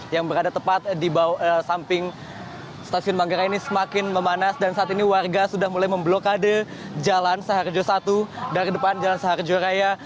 yang berada tepat di samping stasiun manggarai ini semakin memanas dan saat ini warga sudah mulai memblokade jalan saharjo satu dari depan jalan seharjo raya